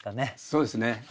そうですね。